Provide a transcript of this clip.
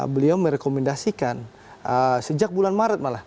beliau merekomendasikan sejak bulan maret malah